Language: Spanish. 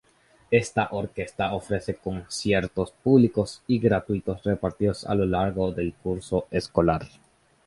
Esta orquesta ofrece conciertos públicos y gratuitos repartidos a lo largo del curso escolar.